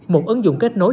một ứng dụng kết nối